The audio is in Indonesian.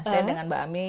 saya dengan mbak ami